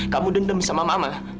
kamu dendam sama mama